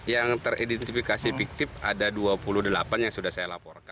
yang teridentifikasi fiktif ada dua puluh delapan yang sudah saya laporkan